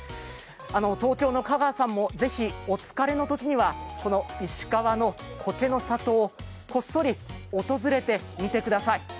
東京の香川さんもぜひ、お疲れのときにはこの石川の苔の里をこっそり訪れてみてください。